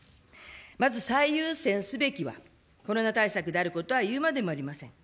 まず最優先すべきは、コロナ対策であることは言うまでもありません。